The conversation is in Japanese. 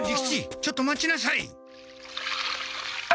ちょっと待ちなさい！